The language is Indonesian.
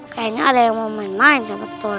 kayaknya ada yang mau main main cepet tuh